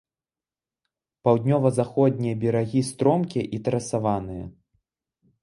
Паўднёва-заходнія берагі стромкія і тэрасаваныя.